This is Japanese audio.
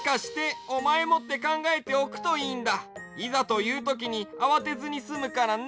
こうやっていざというときにあわてずにすむからね。